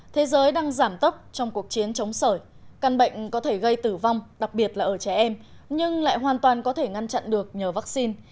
thế giới đang giảm tốc trong cuộc chiến chống sở căn bệnh có thể gây tử vong đặc biệt là ở trẻ em nhưng lại hoàn toàn có thể ngăn chặn được nhờ vaccine